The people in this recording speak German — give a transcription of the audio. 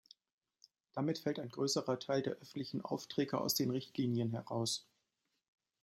Damit fällt ein größerer Teil der öffentlichen Aufträge aus den Richtlinien heraus.